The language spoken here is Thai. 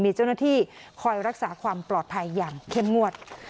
มีเจ้าหน้าที่คอยรักษาความปลอดภัยอย่างเข้มงวด